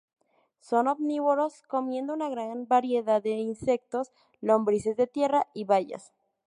Son omnívoros, comiendo una gran variedad de insectos, lombrices de tierra y bayas.